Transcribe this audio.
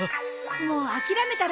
もう諦めたら？